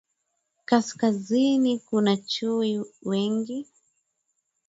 Kaskazini kuna chui wengi